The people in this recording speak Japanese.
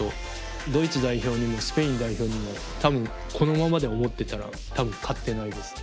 ドイツ代表にもスペイン代表にもこのままで思ってたら多分勝ってないです。